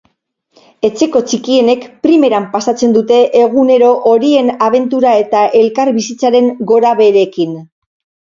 Etxeko txikienek primeran pasatzen dute egunero horien abentura eta elkarbizitzaren gorabeherekin.